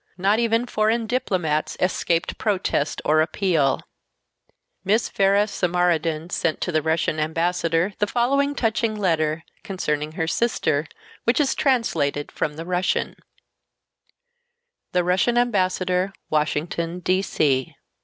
Not even foreign diplomats escaped protest or appeal. Miss Vera Samarodin sent to the Russian Ambassador the following touching letter, concerning her sister, which is translated from the Russian:— The Russian Ambassador, Washington, D.C.